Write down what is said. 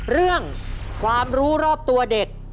เรื่องความรู้รอบตัวเด็ก